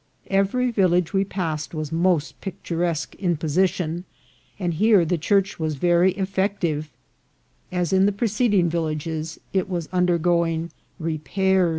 Every village we passed was most pictu resque in position, and here the church was very effect ive ; as in the preceding villages, it was undergoing re pairs.